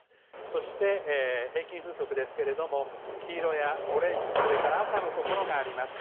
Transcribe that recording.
そして、平均風速ですけれども、黄色やオレンジ、それから赤のところがあります。